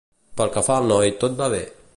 Pel que fa al noi, tot va bé.